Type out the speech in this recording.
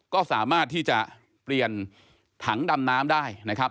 ก็สามารถที่จะเปลี่ยนถังดำน้ำได้นะครับ